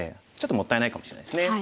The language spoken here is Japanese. もったいないかもしれないですね。